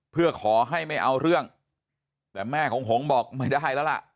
เพื่อขอให้ไม่เอาเรื่องแต่แม่ของหงบอกไม่ได้แล้วล่ะ